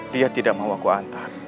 dia tidak mau aku antar